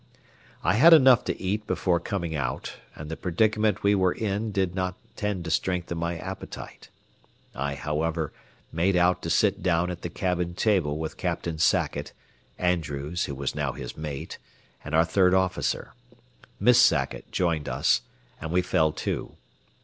I had enough to eat before coming out, and the predicament we were in did not tend to strengthen my appetite. I, however, made out to sit down at the cabin table with Captain Sackett, Andrews, who was now his mate, and our third officer. Miss Sackett joined us, and we fell to.